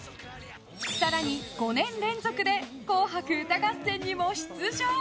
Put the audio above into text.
更に、５年連続で「紅白歌合戦」にも出場。